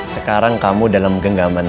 sekarang kamu kehadiran gue handin